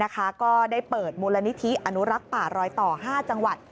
ก็ได้เปิดมูลนิธิอนุรักษ์ป่ารอยต่อ๕จังหวัด